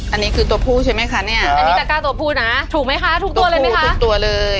อันนี้คือตัวผู้ใช่ไหมคะเนี่ยเธอพูดถูกไหมคะทุกเลยทั่วทั่วเลย